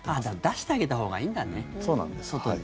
出してあげたほうがいいんだね、外に。